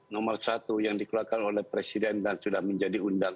nomor satu yang dikeluarkan oleh presiden dan sudah menjadi undang undang